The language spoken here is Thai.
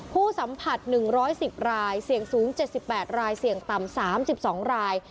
ผู้สัมผัส๑๑๐รายเสี่ยงสูง๗๘รายเสี่ยงต่ำ๓๒ราย